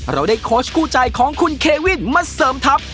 เราได้โค้ชคู่ใจของคุณเควินมาเสริมทัพ